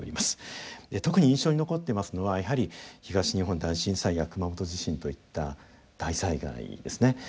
特に印象に残ってますのはやはり東日本大震災や熊本地震といった大災害ですね。